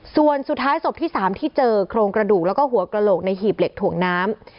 ส่วนสุดท้ายศพที่๓ที่เจอโครงกระดูกแล้วก็หัวกระโหลกในหีบเหล็กถ่วงน้ำ